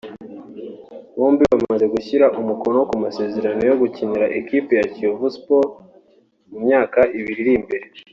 Bombi bamaze gushyira umukono ku masezerano yo gukinira ikipe ya Kiyovu Sport mu myaka ibiri iri imbere